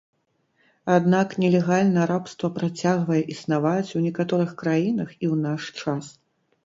Аднак, нелегальна рабства працягвае існаваць ў некаторых краінах і ў наш час.